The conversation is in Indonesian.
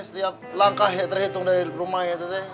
setiap langkah yang terhitung dari rumah ya teh